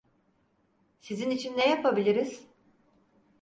Sizin için ne yapabiliriz?